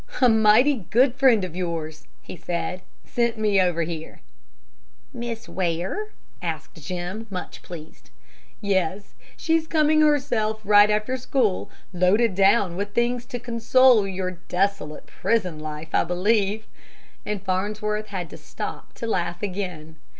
"A mighty good friend of yours," he said, "sent me over here." "Miss Ware?" asked Jim, much pleased. "Yes. She's coming herself right after school, loaded down with things to console your desolate prison life, I believe," and Farnsworth had to stop to laugh again.